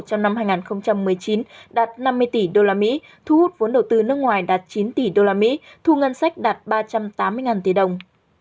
trong năm hai nghìn một mươi chín đạt năm mươi tỷ usd thu hút vốn đầu tư nước ngoài đạt chín tỷ usd thu ngân sách đạt ba trăm tám mươi tỷ đồng